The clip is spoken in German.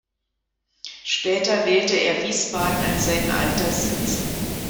Später wählte er Wiesbaden als seinen Alterssitz.